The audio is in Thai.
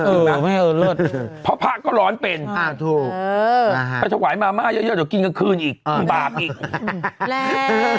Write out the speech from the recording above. เออไม่เอิญเลิศเพราะภาคก็ร้อนเป็นถวายมาม่าเยอะเดี๋ยวกินกลางคืนอีกบาปอีก